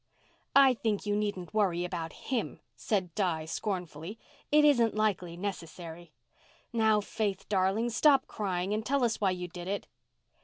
"I think you needn't worry about him," said Di scornfully. "It isn't likely necessary. Now, Faith darling, stop crying and tell us why you did it."